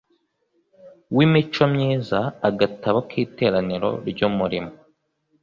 w imico myiza Agatabo k Iteraniro ry Umurimo